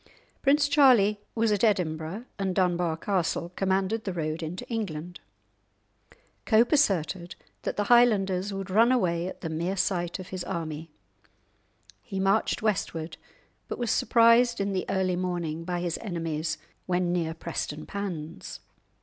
Prince Charlie was at Edinburgh, and Dunbar Castle commanded the road into England. Cope asserted that the Highlanders would run away at the mere sight of his army. He marched westward, but was surprised in the early morning by his enemies when near Prestonpans.